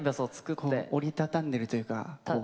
折り畳んでいるというか。